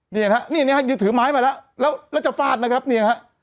นี่นะฮะนี่นะฮะยืนถือไม้มาแล้วแล้วจะฟาดนะครับเนี่ยฮะ